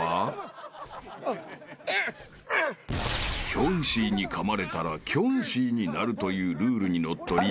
［キョンシーにかまれたらキョンシーになるというルールにのっとり徐々に人の心を失っていく］